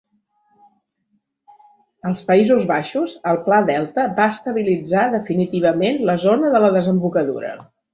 Als Països Baixos, el Pla Delta va estabilitzar definitivament la zona de la desembocadura.